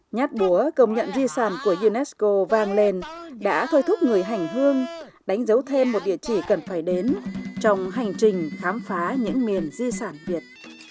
nhát búa công nhận di sản của unesco vang lên đã thôi thúc người hành hương đánh dấu thêm một địa chỉ cần phải đến trong hành trình khám phá những miền di sản việt